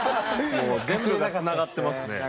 もう全部がつながってますね。